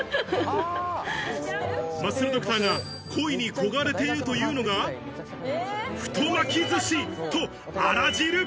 マッスルドクターが恋に焦がれているというのが、太巻き寿司と、あら汁。